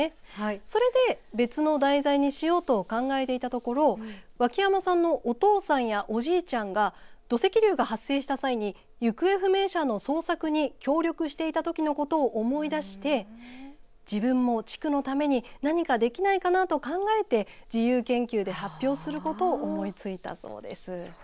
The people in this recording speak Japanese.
それで別の題材にしようと考えていたところ脇山さんのお父さんやおじいちゃんが土石流が発生した際に行方不明者の捜索に協力していたときのことを思い出して自分も地区のために何かできないかなと考えて自由研究で発表することを思いついたそうです。